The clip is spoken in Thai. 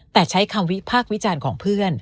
แต่ใช้คำวิพากษ์วิจารณ์ของเพื่อน